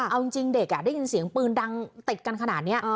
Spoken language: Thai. เอาจริงเด็กได้ยินเสียงปืนดังติดกันขนาดนี้